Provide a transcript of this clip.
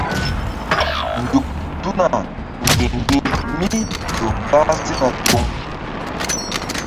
Nzuk tuna ŋgi̧ŋgi̧mí ƴo gah sena tuŋ.